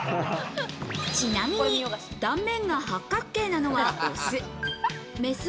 ちなみに断面が八角形なのは、オス。